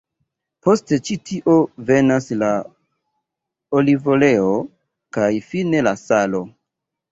Post ĉi tio venas la olivoleo, kaj fine la salo.